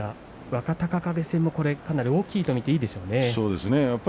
若隆景戦もかなり大きいと見ていいでしょうね。